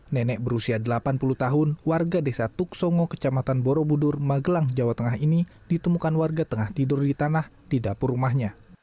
nenek berusia delapan puluh tahun warga desa tuk songo kecamatan borobudur magelang jawa tengah ini ditemukan warga tengah tidur di tanah di dapur rumahnya